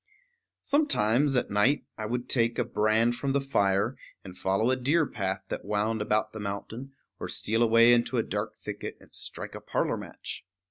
Sometimes, at night, I would, take a brand from the fire, and follow a deer path that wound about the mountain, or steal away into a dark thicket and strike a parlor match.